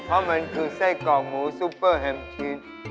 เพราะมันคือไส้กรอกหมูซุปเปอร์แฮมชีส